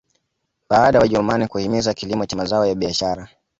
Baada ya wajerumani kuhimiza kilimo cha mazao ya biashara